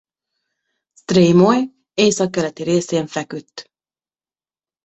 Streymoy északkeleti részén feküdt.